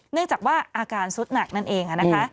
เนื่องจากว่าอาการสุดหนักนั่นเองนะคะ